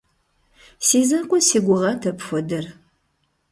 Си закъуэ си гугъат апхуэдэр.